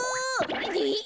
えっ！